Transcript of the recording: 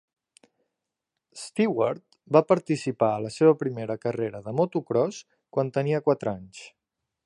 Stewart va participar a la seva primera carrera de motocròs quan tenia quatre anys.